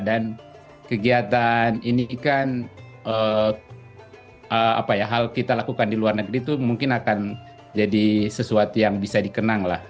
dan kegiatan ini kan hal kita lakukan di luar negeri itu mungkin akan jadi sesuatu yang bisa dikenang lah